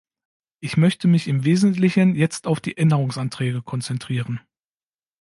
Ich möchte mich im wesentlichen jetzt auf die Änderungsanträge konzentrieren.